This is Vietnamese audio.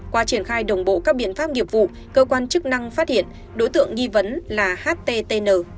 qua triển khai đồng bộ các biện pháp nghiệp vụ cơ quan chức năng phát hiện đối tượng nghi vấn là httn